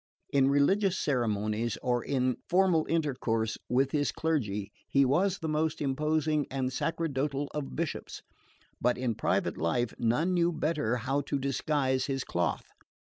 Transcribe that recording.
In religious ceremonies or in formal intercourse with his clergy he was the most imposing and sacerdotal of bishops; but in private life none knew better how to disguise his cloth.